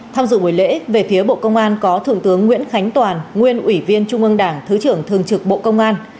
tham dự buổi lễ về phía bộ công an có thượng tướng nguyễn khánh toàn nguyên ủy viên trung ương đảng thứ trưởng thường trực bộ công an